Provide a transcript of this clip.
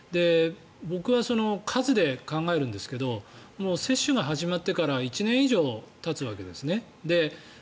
僕は数で考えるんですが接種が始まってから１年以上たつわけですね。